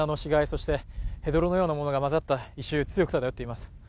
そしてヘドロのようなものが混ざった異臭が強く漂っています。